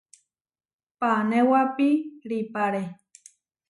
Panéwapiʼrípare.